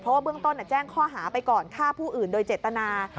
เพราะว่าเบื้องต้นแจ้งข้อหาไปก่อนฆ่าผู้อื่นโดยเจตนา